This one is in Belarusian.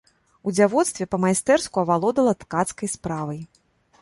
У дзявоцтве па-майстэрску авалодала ткацкай справай.